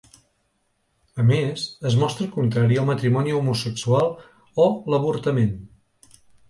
A més, es mostra contrari al matrimoni homosexual o l’avortament.